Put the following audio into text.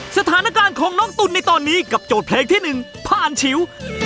สถานการณ์ของน้องตุ๋นในตอนนี้กับโจทย์เพลงที่๑ผ่านฉิว